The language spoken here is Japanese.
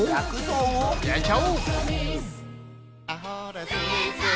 焼いちゃおう！